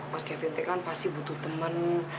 mas kevin teh kan pasti butuh teman